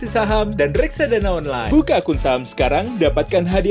dah bagaimana urusannya ini